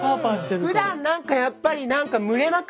ふだん何かやっぱり何か蒸れまくる。